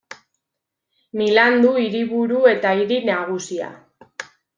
Milan du hiriburu eta hiri nagusia.